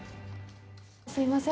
すいません。